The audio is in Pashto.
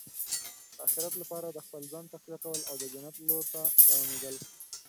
د اخرت لپاره د خپل ځان تقویه کول او د جنت لور ته روانېدل.